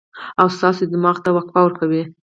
او ستاسو دماغ ته وقفه ورکوي